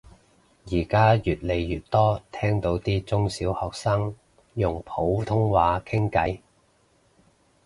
而家越嚟越多聽到啲中小學生用普通話傾偈